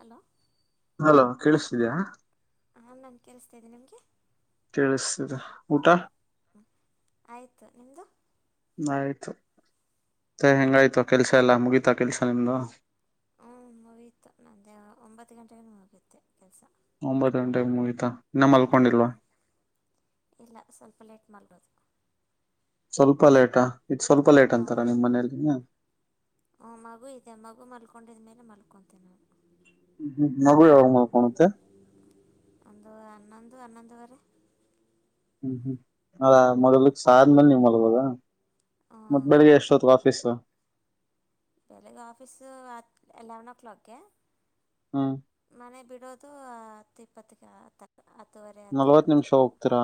hello hello ಕೇಳಿಸ್ತಿದ್ಯಾ ಹಾ ನಾನ್ ಕೇಳಸ್ತಾ ಇದ್ದನಿ ನಿಮ್ಗೆ ಕೇಳಿಸ್ತಿದೆ ಊಟ ಹ ಆಯ್ತು ನಿಮ್ದು ಆಯ್ತು ಮೆ ಹೆಂಗಾಯ್ತು ಕೆಲ್ಸ ಎಲ್ಲಾ ಮುಗೀತಾ ಕೆಲ್ಸ ನಿಮ್ದು ಹ್ಮ್ ಮುಗತು ನಂದೆ ಒಂಬತ್ತು ಗಂಟೆೆಗೆ ಮುಗುತ್ತೆ ಒಂಬತ್ತು ಗಂಟೆಗೆ ಮುಗತಾ ಇನ್ನ ಹ್ಞೂ ಮಲ್ಕೊಂಡಿಲ್ವಾ ಹ್ಞೂ ಇಲ್ಲ ಸ್ವಲ್ಪ ಲೇಟ್ ಮಲ್ಗೋದು ಸ್ವಲ್ಪ ಲೇಟಾ ಇ ಸ್ವಲ್ಪ ಲೇಟ್ ಅಂತಾರ ಹಾಂ ನಿಮ್ಮ್ ಮನೇಲಿ ಮಲ್ಕೊಂತನ ಹ್ಮ ಹ್ಮ್ ನಗ ಹ ಮ ಕಣತ್ತ ಅನಂದವರೆ ಹ್ಮ್ ಹ್ಮ್ ಅದ ಮೊದ್ಲಿಕ್ ಸ ಆದ್ಮೇಲೆ ನೀವ್ ಮೊಲ್ಬೋದ ಮತ್ತ್ ಹ್ಞೂ ಬೆಳಗ್ಗೆ ಎಷ್ಟ ಹೊತ್ ಆಫೀಸ ಬೆಳಿಗ್ಗೆ ಆಫೀಸು ಎಲೆವೆನ್ ಓ ಕ್ಲಾಕ್ಗೆ ಹ್ಮ್ ಮನೆ ಬಿಟ್ಟ ಇರೋದು ಇಪ್ಪತ್ತ ಅತ್ತುುವರೆ ಅತ್ತು ನಲ್ವತ್ ನಿಮಿಷ ಇಪ್ಪತ್ತು ಹೋಗ್ತೀರಾ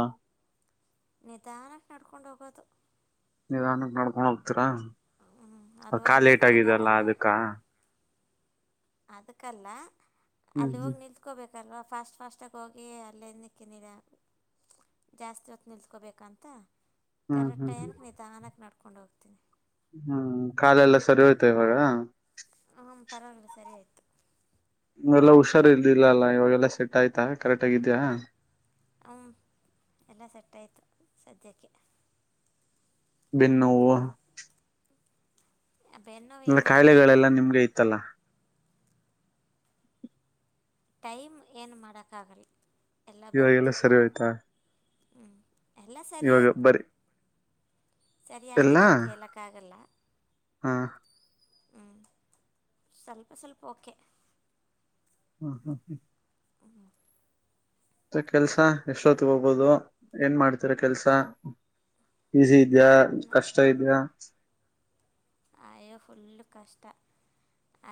ನಿಧಾನ ನಡ್ಕೊಂಡ ಹೋಗ ಹೋಗೋದು ನೀದಾನಕ್ಕೆ ನಡ್ಕೊಂಡ ಹೋಗ್ತೀರಾ ಹ್ಞೂ ಅ ಅಲ್ಲಿ ಕ ಹೋಗಿ ಲೇಟ್ ಆಗಿದಲ್ಲಾ ನಿಂತ್ಕೋಬೇಕಲ್ವಾ ಅದಕ್ಕ ಅದಕಲ್ಲ ಹ್ಮ್ ಅಲ್ಲಿ ಹೋಗಿ ನಿಲ್ತ್ಕೋಬೇಕು ಲ್ವ ಫಾಸ್ಟ್ ಫಾಸ್ಟಾಗಿ ಹೋಗಿ ಅಲ್ಲಿಂದಕ್ಕೆ ನೀಿಡ ಜಾಸ್ತಿ ಹೊತ್ತು ನಿಲ್ತ್ಕೋಬೇಕಂತ ಹ್ಮ್ ಕರೆಕ್ಟ್ ಹ್ಮ್ ಹ್ಮ್ ಟೈಮಗೆ ನೀ ತಾನಕ್ಕೆ ನಡ್ಕೊಂಡು ಹೋಗ್ತೀನಿ ಹ್ಮ್ ಕಾಲ ಎಲ್ಲ ಸರಿ ಹೋಯ್ತವೆವಾಗ ಹ ಪರವಾಗಿಲ್ಲ ಸರಿ ಆಯ್ತು ಎಲ್ಲಾ ಹುಷಾರಿಲ್ಲಲ್ಲಾ ಇವಾಗೆಲ್ಲಾ ಸೆಟ್ ಆಯ್ತಾ ಕರೆಕ್ಟ್ ಆಗಿದ್ಯಾ ಅವ ಎಲ್ಲ ಸೆಟ್ ಆಯತು ಸದ್ಯಕ್ಕೆ ಬೆನ್ನೋವು ಬೆನ್ನೋವು ಅಂದ್ರ ಏನೂ ಇಲ್ಲ ಈಗ ಕಾಯಿಲೆಗಳೆಲ್ಲಾ ನಿಮ್ಗೆ ಇತ್ತಲ್ಲ ಟೈಮ್ ಏನು ಮಾಡಕ್ಕಾಗಲಿ ಇವಾಗೆಲ್ಲ ಸರಿ ಹೋಯ್ತಾ ಎಲ್ಲಾ ಸರಿಯೋ ಇವಾಗ ಬರಿ ಎಲ್ಲಾ ಸರಿಯಾಗಿದೆ ಅಂತ ಹೇಳಕ್ಕಾಗಲ್ಲ ಹಾ ಹ್ಮ ಸ್ವಲ್ಪ ಸ್ವಲ್ಪ ಓಕೆ ಹೌ ಹ [inaudible] ಮತ್ತ ಕೆಲ್ಸ ಎಷ್ಟೊತ್ತ ಗೋಬಹುದು ಏನ್ ಮಾಡ್ತೀರ ಕೆಲ್ಸ ಈಸಿ ಇದ್ಯಾ ಕಷ್ಟ ಇದ್ಯಾ ಆಯೋ ಫುಲ್ ಕಷ್ಟ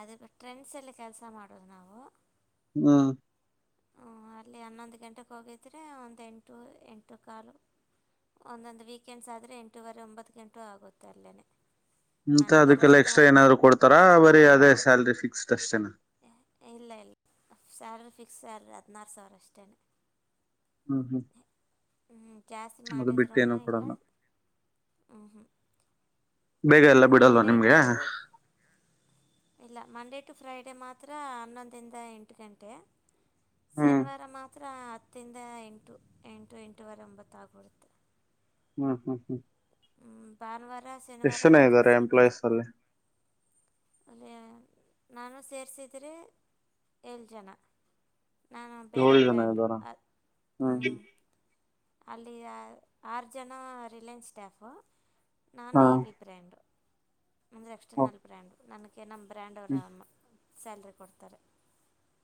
ಅದ ಟ್ರೆಂಡ್ಸ್ ಅಲ್ಲಿ ಕೆಲಸ ಮಾಡೋದು ನಾವು ಹಾ ಹ ಅಲ್ಲಿ ಹನ್ನೊಂದು ಗಂಟೆಗೆ ಹೋಗಿದ್ರೆ ಒಂದು ಎಂಟು ಎಂಟು ಕಾಲು ಒಂದೊಂದು ವೀಕೆಂಡ್ಸ್ ಆದ್ರರೆ ಎಂಟೂವರೆ ಒಂಬತ್ತು ಗಂಟು ಆಗುತ್ತೆ ಅಲ್ಲೇನೆ ಮಂತ ಅದಕ್ಕೆಲ್ಲ ಎಕ್ಸ್ಟ್ರಾ ಏನಾದ್ರು ಕೊಡ್ತಾರಾ ಬರೀ ಅದೇ ಸ್ಯಾಲ್ರಿ ಫಿಕ್ಸ್ ಅಷ್ಟೇನ ಇಲ್ಲ ಇಲ್ಲ ಸ್ಯಲ್ರಿ ಫಿಕ್ಸ್ ಸ್ಯಲ್ರಿ ಹದಿನಾರು ಸಾವಿರ ಅಷ್ಟೇ ಹ್ಮ್ ಹ್ಮ್ ಹ್ಞೂ ಜಾಸ್ತಿ ಅದು ಮಾಡಿದ್ರೂ ಬಿಟ್ಟು ಏನು ಇಲ್ಲ ಕೊಡಲ್ಲ ಹ್ಞ ಹ್ಞೂ ಬೇಗ ಎಲ್ಲ ಬಿಡಲ್ವಾ ನಿಮ್ಗೆ ಮಂಡೇಟು ಇಲ್ಲ ಮಂಡೇ ಟು ಫ್ರೈಡ ಅ ಮಾತ್ರ ಅನ್ನೊಂದುದ ಎಟಕೆ ಹ್ಮ್ ಶನಿವಾರ ಹತ್ತಿರ ಹತ್ತಂದ ಎಂಟು ಎಂಟು ಎಂಟೂವರೆ ಒಂಬತ್ತುಾಗಿಬಿಡುತ್ತೆ ಹ್ಮ್ ಹ್ಮ್ ಹ್ಮ್ ಭಾನುವಾರ ಶನಿವಾರ ಎಷ್ಟ್ ಜನ ಮಾತ್ರ ಇದ್ದಾರೆ ಎಂಪ್ಲಾಯೀಸ್ ಸ್ವಲ್ಪಚ್ಚ ಅಲ್ಲಿ ಅಲ್ಲಿ ನಾನು ಸೇರಿಸಿದೆ ಏಳು ಜನ ನಾನು ಬೇರೆ ಏಳು ಜನ ಬ್ರ್ಯಾಂಡು ಇದ್ದಾರಾ ಹ್ಮ್ ಅಲ್ಲಿ ಆರು ಜನ ರಿಲಯನ್ಸ್ ಸ್ಟಾಫು ನಾನು ಹಾ ಇ ಬಿ ಬ್ರ್ಯಾಂಡರು ಅಂದರೆ ಹ್ಮ್ ಎಕ್ಸ್ಟರ್ನಲ್ ಬ್ರ್ಯಾಂಡು ನನಗೆ ನಮ್ಮ ಬ್ರ್ಯಾಂಡ್ ಅವರು ಸ್ಯಾಲ್ರಿ ಕೊಡ್ತಾರೆ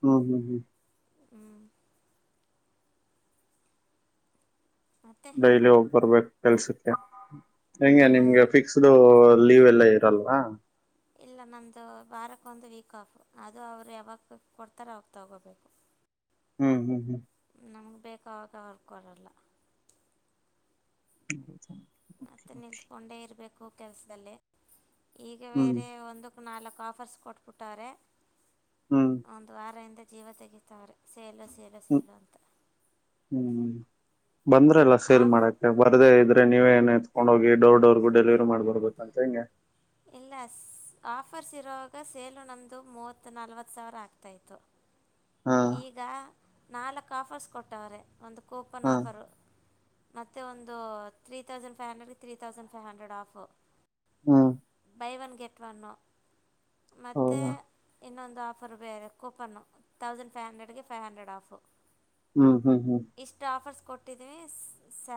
ಹ್ಮ್ ಹ್ಮ್ ಹ್ಮ್ ಹ್ಞೂ ಮತ್ತು ಡೈಲಿ ಹೋಗ್ ಬರ್ಬೇಕು ಕೆಲ್ಸಕ್ಕೆ ಹೆಗೆ ನಿಮ್ಗೆ ಫಿಕ್ಸ್ಡ್ ಲೀವ್ ಎಲ್ಲ ಇರಲ್ವಾ ಇಲ್ಲ ನಮ್ದು ವಾರಕ್ ಒಂದು ವೀಕ್ ಆಫ್ ಅದು ಅವ್ರು ಯಾವಕ್ ಕೊಡ್ತಾರ ಅವಾಗ ತಗೋಬೇಕು ಹ್ಮ್ ಹ್ಮ್ ಹ್ಮ್ ನಮ್ಗೆ ಬೇಕಾಗುವಾಗ ಕೊಡಲ್ಲ ಮತ್ತೆ ನಿಲ್ತುಕೊಂಡೆ ಇರಬೇಕು ಕೆಲ್ಸದಲ್ಲಿ ಈಗ ಹ್ಮ್ ಬೇರೆ ಒಂದು ನಾಲ್ಕು ಆಫರ್ಸ್ ಕೊಟ್ಬಿಟ್ಟ್ರ ಹ್ಮ್ ಒಂದು ವಾರಿಂದ ಜೀವ ತೆಗಿತಾರೆ ಸೇಲು ಸೇಲು ಹ್ಮ್ ಸೇಲು ಅಂತ ಹ್ಮ್ ಬಂದ್ರಲ್ಲ ಸೇಲ್ ಆಫ್ ಮಾಡಕ್ಕೆ ಬರದೇ ಇದ್ರ ನೀವೇಏನ್ ಎತ್ಕೊಂಡ್ ಹೋಗಿ ಡರ್ ಡೋರ್ಗ ಡೆಲಿವರಿ ಮಾಡ್ಬರ್ಬೇಕು ಅಂತ ಹೆಂಗೆ ಇಲ್ಲ ಆಫರ್ಸ್ ಇರುವಾಗ ಸೇಲು ನಮದು ಮೂವತ್ ನಲ್ವತ್ತು ಸಾವಿರ ಆಗ್ತಾ ಇತ್ತು ಹಾ ಈಗ ನಾಲ್ಕ್ ಆಫರ್ಸ್ ಕೊಟ್ಟವ್ರೆ ಒಂದು ಕೂಪನ್ ಹಾ ಆಫರು ಮತ್ತೆ ಒಂದು ಇದು ತ್ರೀ ತೌಸಂಡ್ ಫೈವ್ ಹಂಡ್ರೆಡ್ಗೆ three thousand five hundred off ಹ್ಮ ಬೈ ಒನ್ ಗೆಟ್ ಒನ್ನು ಮತೆ ಹೌದಾ ಇನ್ನೊ ಒಂದು ಆಫರು ಬೇರೆ ಕೂಪನ್ನು ತೌಸಂಡ ಫೈವ ಹಂಡ್ರೆಡ್ಗೆ ಫೈವ್ ಹಂಡ್ರಡ್ ಆಫು ಹ್ಮ್ ಹ್ಮ್ ಹ್ಮ್ ಇಷ್ಟ ಆಫರ್ಸ್ ಕೊಟ್ಟಿದ್ವಿ ಸ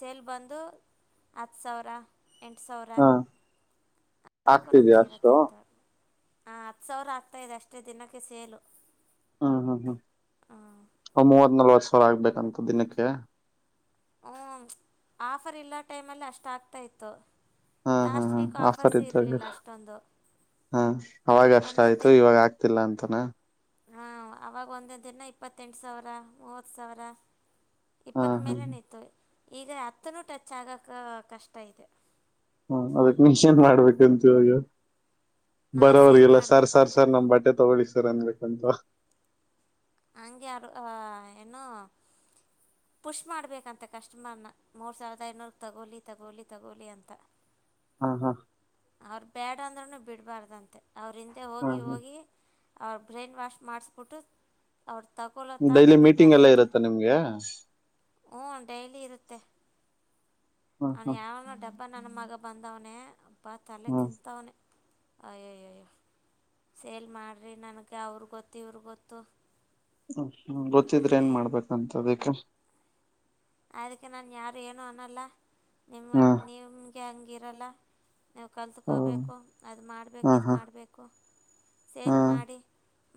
ಸೇಲ್ ಬಂದು ಹತ್ತು ಸಾವಿರ ಎಂಟು ಸಾವಿರ ಹಾ ಆಗ್ತಿದ್ಯಾ ಅಷ್ಟು ಆ ಹತ್ತು ಸಾವಿರ ಆಗ್ತಾದೆ ಅಷ್ಟೇ ದಿನಕ್ಕೆ ಸೇಲು ಹ್ಮ್ ಹ್ಮ್ ಹ್ಮ್ ಮೂವತ್ ನಲ್ವತ್ ಸಾವಿರ ಆಗ್ಬೇಕಂತ ದಿನಕ್ಕೆ ಹ್ಮ ಆಫರ್ ಇಲ್ಲ ಟೈಮಲ್ಲಿ ಅಷ್ಟ ಆಗ್ತಾ ಇತ್ತು ಹಾ ಹಾ ಲಾಸ್ಟ್ ಹಾ ವೀಕ್ ಆಫರ್ ಆಫರ್ಸ್ ಇದ್ದಾಗ ಇರ್ಲಿಲ್ಲ ಅಷ್ಟೊಂದು ಹಾ ಅವಾಗಷ್ಟ ಆಯ್ತು ಇವಾಗ ಆಗ್ತಿಲ್ಲ ಅಂತನ ಹಾ ಅವಾಗ ಒಂದೇ ದಿನ ಇಪ್ಪತ್ತೆಂಟು ಸಾವಿರ ಮೂವತ್ತು ಸಾವಿರ ಹಾ ಇಪ್ಪತ್ ಹಾ ಮೇಲನ ಇತ್ತು ಈಗ ಹತ್ತುನೂ ಟಚ್ ಆಗಕ ಕಷ್ಟ ಇದೆ ಹ್ಮ ಅದಕ್ ಮೀಷ ಏನ್ ಮಾಡ್ಬೇಕಂತ ಇವಾಗ ನಾವು ಬರೋರಿ ಸೇಲ್ ಇಲ್ಲ ಸರ್ ಸಾರ್ ಮಾಡಬೇಕಂತೆ ಸರ್ ನಮ್ ಬಟ್ಟೆ ತಗೊಳ್ಳಿ ಸರ್ ಅನ್ಬೇಕಂತ ಅಂಗಗೆರು ಏನೋ ಪುಷ್ ಮಾಡ್ಬೇಕಂತೆ ಕಸ್ಟಮರ್ನ ಮೂರ್ ಸಾವಿರದ ಐನೂರ ತಗೋಲಿ ತಗೋಲಿ ತಗೋಲಿ ಅಂತ ಮ್ಮ ಮ್ಮ ಅವ್ರ ಬೇಡ ಅಂದ್ರರುನು ಬಿಡ್ಬಾರ್ದಂತೆ ಅವ್ರ ಹಿಂದೆ ಹಾ ಹೋಗಿ ಹಾ ಹೋಗಿ ಅವರು ಬ್ರೇನ್ ವಾಷ್ ಮಾಡಿಸಬಿಟ್ಟು ಅವ್ರ ತಗೊಳ್ಳೋ ತನಕ ಡೈಲಿ ಮೀಟಿಂಗ್ ಎಲ್ಲ ಇರುತ್ತ ನಿಮ್ಗೆ ಹ್ ಡೈಲಿ ಇರುತ್ತೆ ಹಾ ಅವನ್ ಹಾ ಯಾವನೋ ಡಬ್ಬ ಹಬ್ಬ ನನ್ನ ಮಗ ಬಂದವನೇ ಹಬ್ಬ ತಲೆ ಹಾ ತಿಂತವನೇ ಅಯ್ಯೋಯ್ಯ ಅಯ್ಯ ಸೇಲ್ ಮಾಡ್ರರಿ ನನಗೆ ಅವರು ಗೊತ್ತು ಇವ್ರು ಗೊತ್ತು ಹ್ಮ ಹ್ಮ ಗೊತ್ತಿದ್ರೆ ಏನ್ ಹಂಗೆ ಮಾಡ್ಬೇಕಂತದಿಕ್ಕೆ ಅದಕ್ಕೆ ನಾನ್ ಯಾರು ಏನು ಅನ್ನಲ್ಲ ನಿಮ್ಮ ಹಾ ನಿಮಗೆ ಗಿರಲ್ಲ ನಾವು ಹಾ ಕಲ್ತ್ಕೊಬೇಕು ಅದು ಮಾಡಬೇಕು ಇದು ಹಾ ಮಾಡಬೇಕು ಹಾ ಸೇಲ್ ಮಾಡಿ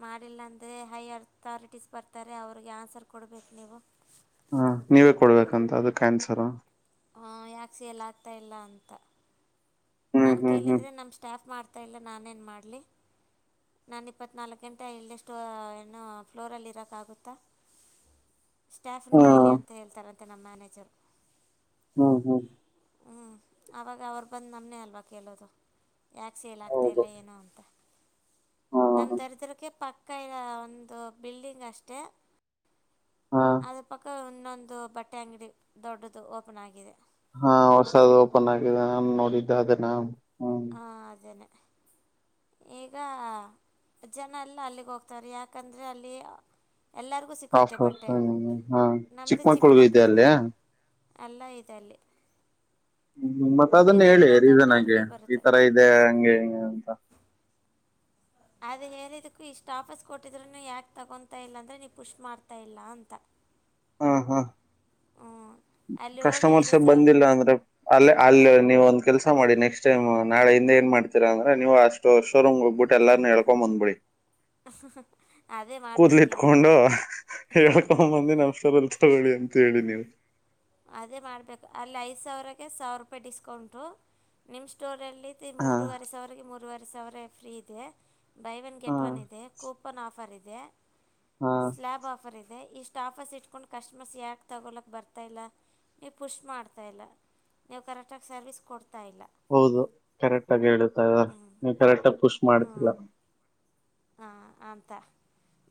ಮಾಡಿಲ್ಲ ಅಂದರೆ ಹೈಯರ್ ಅಥಾರಿಟೀಸ್ ಬರ್ತಾರೆ ಅವ್ರಿಗೆ ಆನ್ಸರ್ ಕೊಡಬೇಕು ನೀವು ಹ ನೀವೇ ಕೊಡ್ಬೇಕಂತ ಅದು ಆನ್ಸರ್ ಹಾ ಯಾಕೆ ಸೆಲ್ ಆಗ್ತಾ ಇಲ್ಲ ಅಂತ ಹ್ಮ್ ನನ್ ಹ್ಮ್ ಹ್ಮ್ ಕೇಳಿದ್ರೆ ನಮ್ ಸ್ಟಾಫ್ ಮಾಡ್ತಾ ಇಲ್ಲ ನಾನ್ ಏನ್ ಮಾಡ್ಲಿ ನಾನು ಇಪ್ಪತ್ನಾಲ್ಕು ಗಂಟೆ ಇಲ್ಲಷ್ಟು ಏನೋ ಫ್ಲೋರಲ್ಲಿ ಇರೋಕ್ಕಾಗುತ್ತಾ ಹೆ [unintelligible] ಸ್ಟಾಪ್ ನ್ ಕೇಳಿ ಅಂತ ಹೇಳ್ತಾರಂತೆ ನಮ್ಮ ಮ್ಯಾನೇಜರ್ ಹ್ಮ್ ಹ್ಮ್ ಹ್ಞೂ ಆವಾಗ ಅವ್ರು ಬಂದು ನಮ್ಮೇ ಅಲ್ವಾ ಕೇಳೋದು ಯಾಕೆ ಸೇಲ್ ಆಗ್ತಾ ಹೌದು ಇಲ್ಲ ಏನು ಅಂತ ಹಾ ನಮ್ ದರಿದ್ರಕ್ಕೆ ಪಕ್ಕ ಇರ ಒಂದು ಬಿಲ್ಡಿಂಗ್ ಅಷ್ಟೆ ಹಾ ಅದ್ರ ಪಕ್ಕ ಇನ್ನೊಂದು ಬಟ್ಟೆ ಅಂಗಡಿ ದೊಡ್ಡದು ಓಪನ್ ಆಗಿದೆ ಹಾ ಹೊಸಾದ್ ಓಪನ್ ಆಗಿದೆ ನ ನೋಡಿದ್ದ ಅದನ ಹ ಅದೇನೆ ಈಗ ಜನ ಎಲ್ಲ ಅಲ್ಲಿಗೆ ಹೋಗ್ತಾರೆ ಯಾಕಂದ್ರೆ ಅಲ್ಲಿ ಎಲ್ಲರಿಗೂ ಆಫ ಸಿಕ್ಕುತ್ತೆ ಬಟ್ಟೆ ಹ್ಮ್ [unintelligible] ಹಾ ಚಿಕ್ಕಮಕ್ಕಳಗೂ ಇದದೆ ಅಲ್ಲಿಯ ಎಲ್ಲಾ ಇದದೆಲ್ಲಿ ಹ್ಮ್ ಮತ್ತ ಅದನ್ನ ಹೇಳಿ ರೀಸನ್ ಆಗಿ ಈ ಬರುತ್ತೆ ತರ ಇದೆ ಹಂಗೆ ಹಿಂಗೆ ಅಂತ ಅದು ಹೇಳಿದಕ್ಕೂ ಇಷ್ಟುಾಫಸ್ ಕೊಟ್ಟಿದ್ರರು ಯಾಕೆ ತಗೊತಾ ಇಲ್ಲ ಅಂದರೆ ನೀವು ಪುಷ್ ಮಾಡ್ತಾಯ ಇಲ್ಲ ಅಂತ ಹಾ ಹಾ ಹ್ಞೂ ಅಲ್ಲಿ ಹೋಗಿ ಕಸ್ಟಮರ್ಸ್ ಐದೈದು ಸಾವಿರ ಬಂದಿಲ್ಲ ಅಂದ್ರೆ ಅಲ್ಲೇ ಅಲ್ಲ ನೀವ ಒಂತ ಕೆಲಸ ಮಾಡಿ ನೆಕ್ಸ್ಟ್ ಟೈಮ್ ನಾಳೆ ಹಿಂದ ಏನ್ ಮಾಡ್ತೀರ ಅಂದ್ರೆ ನೀವು ಶೋರೂಮ್ ಹೋಗ್ಬಿಟ್ಟು ಎಲ್ಲಾನೂ ಹಳ್ಕೊಂಡ್ ಬಂದ್ಬಿಡಿ [unintelligible] ಕೂದ್ಲಿ ಮಾಡಬೇಕೇನು ಇಟ್ಕೊಂಡು ಹೇಳ್ಕೊಂಬಂದಿ ನ ಅಮಷ್ಟರಲ್ ತಗೊಳ್ಳಿ ಅಂತ ಹೇಳಿ ನೀವು ಅದೇ ಮಾಡ್ಬೇಕು ಅಲ್ಲಿ ಐದು ಸಾವಿರಕ್ಕೆ ಸಾವಿರ ರೂಪಾಯಿ ಡಿಸ್ಕೌಂಟು ನಿಮ್ಮ ಸ್ಟೋರಲ್ಲಿ ತಿ ಹಾ ಮೂರವರೆ ಸಾವಿರಗೆ ಮೂರರುವರೆ ಸಾವಿರ ಫ್ರೀ ಇದೆ ಬೈ ಒನ್ ಹಾ ಗೆಟ್ ಒನ್ ಇದೆ ಕೂಪನ್ ಆಫರ್ ಇದೆ ಹಾ ಸ್ಲ್ಯಾಬ್ ಆಫರ್ ಇದೆ ಇಷ್ಟು ಕಾಫಸ್ ಇಟ್ಕೊಂಡ್ ಕಸ್ಟಮರ್ಸ್ ಯಾಕ ತಗೊಲಕ್ ಬರ್ತಾ ಇಲ್ಲ ನೀವು ಪುಷ್ ಮಾಡ್ತಾ ಇಲ್ಲ ನೀವು ಕರೆಕ್ಟ್ಗ ಸರ್ವಿಸ್ ಕೊಡ್ತಾ ಇಲ್ಲ ಹೌದು ಕರೆಕ್ಟ್ ಆಗ ಹೇಳುತ್ತಾ ನೀ ಕರೆಕ್ಟಗ ಪುಷ್ ಮಾಡ್ತಿಲ್ಲ ಹಾ ಅಂತ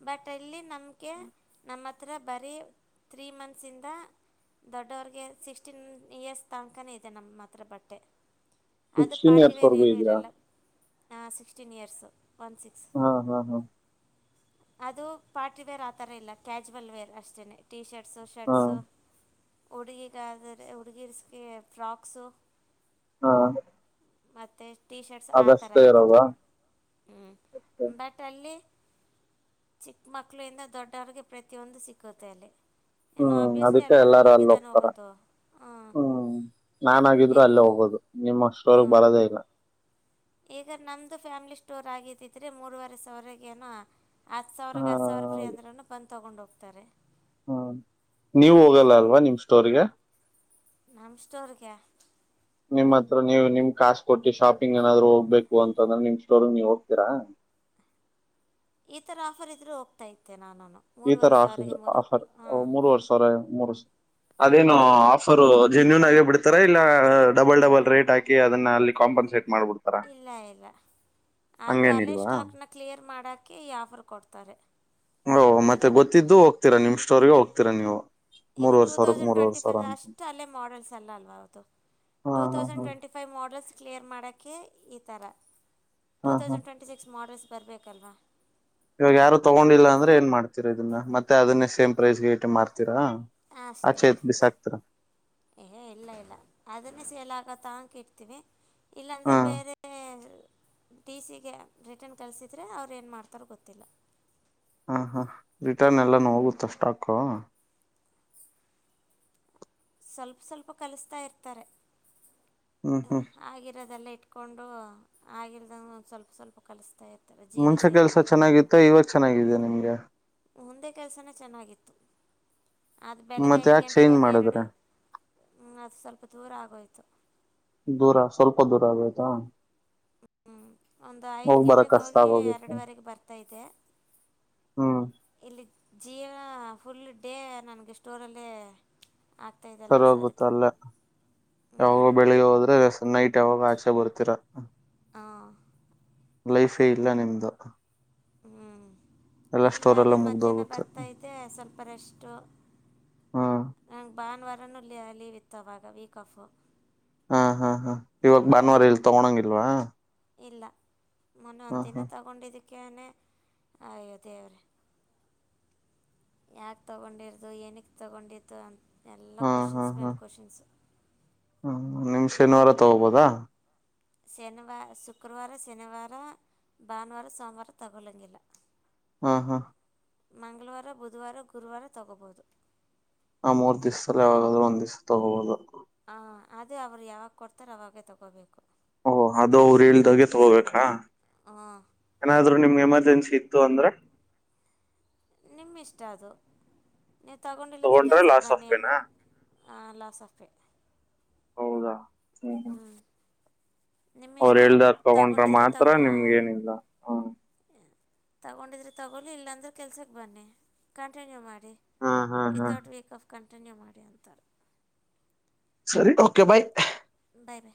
ಬಟ್ ಅಲ್ಲಿ ನಮಗೆ ನಮ್ಮ ಹತ್ರ ಬರೀ ತ್ರೀ ಮಂತ್ಸಿಂದ ದೊಡ್ಡವರಿಗೆ ಸಿಕ್ಸ್ಟೀನ್ ಇಯರ್ಸ್ ತನಕಾನೇ ಇದೆ ನಮ್ಮ ಹತ್ರ ಬಟ್ಟೆ ಸಿಕ್ಸ್ಟೀನ್ ಇಯರ್ಸ್ ವರೆಗೂ ಇದಿಯಾ ಹ ಸಿಕ್ಸ್ಟೀನ್ ಇಯರ್ಸ್ ಒನ್ ಸಿಕ್ಸ್ ಹಾ ಹಾ ಹಾ ಅದು ಪಾರ್ಟಿ ವೇರ್ ಆತರ ಇಲ್ಲ ಕ್ಯಾಶುವಲ್ ವೇರ್ ಅಷ್ಟೇನೆ ಟಿ ಶರ್ಟ್ ಟೀ ಹಾ ಶರ್ಟ್ಸು ಹುಡುಗಿಗಾದರೆ ಹುಡುಗೀರ್ ಗದ್ರೆ ಫ್ರಾಕ್ಸು ಹಾ ಮತ್ತೆ ಟೀ ಶರ್ಟ್ಸ್ ಆ ತರ ಅದಷ್ಟೇ ಇದೆ ಇರೋದ ಹ್ಮ್ ಬಟ್ ಅಲ್ಲಿ ಚಿಕ್ಕ ಮಕ್ಳಿಂದ ದೊಡ್ಡವರಿಗೆ ಪ್ರತಿಯೊಂದು ಸಿಕ್ಕುತ್ತೆ ಅಲ್ಲಿ ಇನ್ನು ಹ್ಮ್ ಆಬ್ವಿಯಸ್ಲಿ ಅದಕ್ಕೆ ಎಲ್ಲರೂ ಎಲ್ಲಾರು ಅಲ್ಲಿಗೆ ಅಲ್ಲಿ ತಾನೇ ಹೋಗ್ತಾರ ಹೋಗೋದು ಹಾಂ ಹ್ಮ್ ನಾಾನಾಗಿದ್ರು ಏಕ್ ಅಲ್ಲೇ ಹೋಗ್ ಹಬದು ನಿಮ್ಮ್ ಅಷ್ಟರವರ್ಗ್ ಹಾಂ ಬರದೇ ಇಲ್ಲ ಈಗ ನಮ್ದು ಫ್ಯಾಮಿಲಿ ಸ್ಟೋರ್ ಆಗಿದ್ದಿದ್ರೆ ಮೂರುವರೆ ಸಾವರಗೇನೋ ಹತ್ತು ಸಾವಿರಕ್ಕೆ ಹ ಹತ್ತು ಸಾವಿರ ಫ್ರೀ ಅಂದ್ರೂ ಬಂದು ತೊಗೊಂಡ ಹೋಗ್ತಾರೆ ಹ್ಮ ನೀವು ಹ್ಞೂ ಹೋಗಲ್ಲ ಅಲ್ವಾ ನಿಮ್ ಸ್ಟೋರ್ ಗೆ ನಮ್ ಸ್ಟೋರ್ ಗ ನಿಮ್ ಹತ್ರ ನೀವು ನಿಮ್ ಕಾಾಸ ಕೊಟ್ಟಿ ಶಾಪಿಂಗ್ ಏನಾದ್ರು ಹೋಗ್ಬೇಕು ಅಂತಂದ್ರೆ ನಿಮ್ ಸ್ಟೋರ್ ನೀವ್ ಹೋಗ್ತೀರಾ ಟ್ [unintelligible] ಈ ತರ ಆಫರ್ ಇದ್ರು ಹೋಗ್ತಾ ಇತೆ ನಾನು ಈ ತರ ಮೂರುವರೆ ಆಫ ಸಾವಿರಗೆ ಮೂರು ಆಫರ್ ಹಾಂ ಮೂರು ವರ್ಷ ಅವರ ಮೂರುರ್ಷ ಅದೇನು ಆಫರು ಜೆನ್ಯೂನ್ ಆಗೇ ಬಿಡ್ತಾರ ಇಲ್ಲ ಡಬಲ್ ಡಬಲ್ ರೇಟ್ ಹಾಕಿ ಅದನ್ನ ಅಲ್ಲಿ ಕಾಂಪನ್ಸೇಟ್ ಮಾಡ್ಬಿಡ್ತಾರ ಇಲ್ಲ ಇಲ್ಲ ಅದು ಅಲ್ಲೇ ಹಂಗೇನಿಲ್ವಾ ಸ್ಟಾಕ್ ನ ಕ್ಲಿಯರ್ ಮಾಡಕ್ ಈ ಆಫರ್ ಕೊಡ್ತಾರೆ ಓ ಮತ್ತೆ ಈಗ ಗೊತ್ತಿದ್ದು ಹೋಗ್ತೀರಾ ನಿಮ್ ಸ್ಟೋರ್ಗೆ ಹೋಗ್ತೀರಾ ನೀವು ಈಗ ಮೂರ್ವರ್ ಟೂ ಸಾವಿರಕ್ ತೌಸಂಡ್ ಮೂರ್ವರ್ ಟ್ವೆಂಟಿ ಸಾವಿರ ಫೈವ್ ಅಂತ ಅಷ್ಟು ಅಲ್ಲೇ ಮಾಡಲ್ಸ್ ಅಲ್ಲ ಅಲ್ವ ಅವತ್ತು ಹಾ ಟೂ ಹಾ ತೌಸಂಡ್ ಹಾ ಟ್ವೆಂಟಿ ಫೈವ್ ಮಾಡಲ್ಸ್ ಕ್ಲಿಯರ್ ಮಾಡೆ ಈ ಥರ ಟೂ ಹಾ ಹಾ ತೌಸಂಡ್ ಟ್ವೆಂಟಿ ಸಿಕ್ಸ್ ಮಾಡಲ್ಸ್ ಬರಬೇಕಲ್ವಾ ಇವಾಗ ಯಾರು ತಗೊಂಡಿಲ್ಲ ಅಂದ್ರೆ ಏನ್ ಮಾಡ್ತೀರ ಇದನ್ನ ಮತ್ತೆ ಅದೇ ಸೇಮ್ ಪ್ರೈಸ್ಗೆ ಐಟಮ್ ಮಾಡ್ತೀ ಅಷ್ಟೇ ಏ ಇಲ್ಲ ಇಲ್ಲ ಅದನ್ನೇ ಸೇಲ್ ಹಾಕ ತಕ ಇಡ್ತೀವಿ ಹಾ ಇಲ್ಲಾಂದ್ರೆ ಬೇರೆ ಡಿ ಸಿ ಗೆ ರಿಟರ್ನ್ ಕಲ್ಸಿದ್ರೆ ಅವ್ರು ಏನು ಮಾಡ್ತಾರ ಗೊತ್ತಿಲ್ಲ ಹಾ ಹಾ ರಿಟರ್ನ್ ಎಲ್ಲಾನ ಹೋಗುತ್ತ ಸ್ಟಾಕ್ ಸ್ವಲ್ಪ ಸ್ವಲ್ಪ ಕಲಿಸ್ತಾ ಇರ್ತಾರೆ ಹ್ಮ್ ಹ್ಮ್ ಆಗಾಗಿರೋದೆಲ್ಲ ಇಟ್ಕ ಕೊಂಡು ಆಗಿಲ್ದಂಗ ಸ್ವಲ್ಪ ಸ್ವಲ್ಪ ಕಲಿಸತಾ ಇ ಮುಂಚೆ ಕೆಲ್ಸ ಚೆನ್ನಾಗಿತ್ತು ಇವಾಗ ಚೆನ್ನಾಗಿದ ನಿಮ್ಗೆ ಮುಂದೆ ಕೆಲಸನ ಚೆನ್ನಾಗಿತ್ತು ಅದು ಬೆಳಗ್ಗೆ ಮತ್ತೆ ಐದು ಯಾಕೆ ಗಂಟೆಗೆ ಚೇಂಜ್ ಹೋಗಿ ಎರಡು ಮಾಡಿದ್ರೆ ಅದು ಸ್ವಲ್ಪ ದೂರ ಆಗೋಯ್ತು ದೂರ ಸ್ವಲ್ಪ ದೂರ ಆಗ್ತಾ ಹ್ ಒಂದು ಐದು ಗಂಟೆಗೆ ಕಷ್ಟ ಹೋಗಿ ಆಗೋಗುತ್ತೆ ಎರಡುವರೆಗೆ ಬರ್ತಾ ಹ್ಮ ಜೀವನ ಫುಲ್ ಡೇ ನನ್ಗೆ ಸ್ಟೋರಲ್ಲೇ ಸರ್ ಆಗ್ತಾಯಿದ್ದಲ್ವ ಸೊ ಗೊುತ್ತ ಅದಕ್ಕೆ ಅಲ್ಲೇ ಹ್ಞೂ ಯಾವಾಗೋ ಬೆಳಿಗ್ಗೆ ಹೋದ್ರೆ ನೈಟ್ ಯಾವಾಗ ಆಚೆ ಬರ್ತೀರಾ ಹಾಂ ಲೈಫೇ ಇಲ್ಲ ನಿಮ್ದ ಹ್ಮ ಇಲ್ಲ ಆದರೆೆ ಮಧ್ಯಾಹ್ನ ಮುಗ್ದೋಗುತ್ತೆ ಬರ್ತಾ ಸ್ವಲ್ಪ ರಷ್ಟು ಹ್ಮ್ ನಂಗೆ ಭಾನುವಾರನು ಲ ಅಲ್ಲಿವಿತ್ತವಾಗ ವೀಕ್ ಆಫು ಹಾ ಹಾ ಇವಾಗ ಹ್ಞೂ ಭಾನುವಾರ ಇಲ್ ತಗೊಂಗಿಲ್ವಾ ಇಲ್ಲ ಮನ ಒ ದಿನ ತಗೊಂಡಿದಕ್ಕೆ ಆಯ ಅದೇವರ ಯಾಕೆ ತಗೊಂಡಿರ್ದುು ಏನಿಗೆ ತಗೊಂಡಿತು ಅಂತ ಎಲ್ಲ ಕ್ವೆಶನ್ಸ್ ಮೇಲೆ ಕ್ವೆಶನ್ಸು ಹ್ಮ ನಿಮ್ ಶನಿವಾರ ತಗೋಬೋದಾ ಶನಿವಾರ ಶುಕ್ರವಾರ ಶನಿವಾರ ಭಾನುವಾರ ಸೋಮವಾರ ತಗೋಲಂಗಗೆಲ್ಲ ಹಾ ಹಾ ಮಂಗಳವಾರ ಬುಧವಾರ ಗುರುವಾರ ತಗೋಬಹದು ಆ ಮೂರ್ ದಿವಸದಲ್ಲಿ ಯಾವಾಗಾದ್ ಒಂದ ದಿವ್ಸ ತಗೋಬಹುದು ಹ ಅದೇ ಅವರು ಯಾವಾಗ ಕೊಡ್ತಾರ ಅವಾಗೇ ತಗೋಬೇಕು ಓಹ ಅದು ಅವರು ಹೇಳ್ದಾಗೆ ತಗೋಬೇಕಾ ಹಾ ಏನಾದ್ರು ನಿಮ್ಗೆ ಎಮರ್ಜೆನ್ಸಿ ಇತ್ತು ಅಂದ್ರೆ ನಿಮ್ಮ ಇಷ್ಟ ಅದು ನೀವು ತಗೊಂಡಿಲ್ಲ ಅಂದ್ರೆ ತಗೊಂಡ್ರೆ ಕೆಲ್ಸಕ್ಕೆ ಲಾಸ್ ಆಫ್ ಬನ್ನಿ ಪೇನಾ ಎ ಸಫೇ ಹೌದಾ ಹ್ಮ್ ಹ್ಮ ನಿಮ್ಮ ಅವ್ರ ಇಷ್ಟ ಹೇಳ್ದಾರ್ ತಗೊಂಡ್ರ ತಗೊಂಡಿದ್ರೆ ತಗೋ ಮಾತ್ರ ಹ್ಞೂ ನಿಮ್ಗ ಏನಿಲ್ಲ ಹ್ಮ ತಗೊಂಡಿದ್ರಿ ತಗೊಲಿ ಇಲ್ಲಾಂದ್ರೆ ಕೆಲ್ಸಕ್ ಬನ್ನಿ ಕಂಟಿನ್ಯೂ ಮಾಡಿ ಹಾ ಹಾ ಮಾಡ ಹಾ ವಿತೌಟ್ ವೀಕ್ ಆಫ್ ಕಂಟಿನ್ಯೂ ಮಾಡಿ ಅಂತಾರೆ ಓಕೆ ಬಾಯ್ ಬಾಯ ಬಾಯ